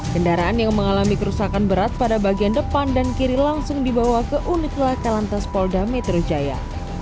kendaraan yang mengalami kerusakan berat pada bagian depan dan kiri langsung dibawa ke unit laka lantas polda metro jaya